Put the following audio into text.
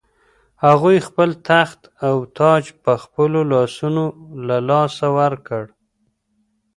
هغوی خپل تخت او تاج په خپلو لاسونو له لاسه ورکړ.